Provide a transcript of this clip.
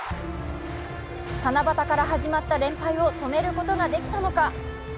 七夕から始まった連敗を止めることができたのか。